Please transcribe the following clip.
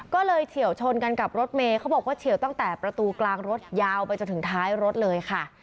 ก็เลยเฉียวชนกันกับรถเมย์เขาบอกว่าเฉียวตั้งแต่ประตูกลางรถยาวไปจนถึงท้ายรถเลยค่ะ